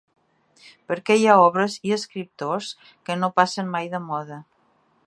Perquè hi ha obres i escriptors que no passen mai de moda.